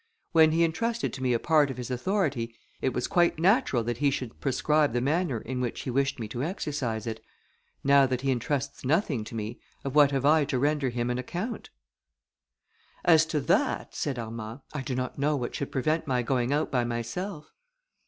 When he intrusted to me a part of his authority, it was quite natural that he should prescribe the manner in which he wished me to exercise it. Now that he intrusts nothing to me, of what have I to render him an account?" "As to that," said Armand, "I do not know what should prevent my going out by myself."